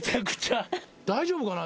大丈夫かな？